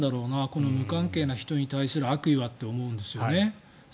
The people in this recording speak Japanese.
この無関係な人に対する悪意はと思うんですね。